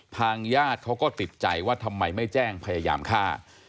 ทางญาติเขาก็ติดใจว่าทำไมไม่แจ้งพยายามฆ่า